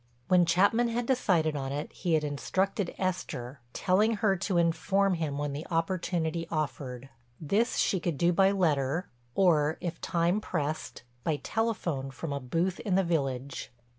When Chapman had decided on it he had instructed Esther, telling her to inform him when the opportunity offered. This she could do by letter, or, if time pressed, by telephone from a booth in the village.